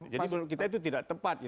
jadi menurut kita itu tidak tepat